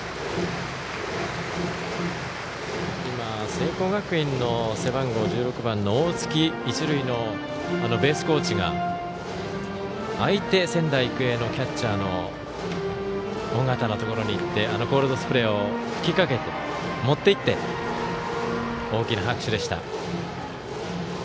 聖光学院の背番号１６番の大槻一塁のベースコーチが相手、仙台育英のキャッチャーの尾形のところに行ってコールドスプレーを吹きかけて持っていって、大きな拍手でした。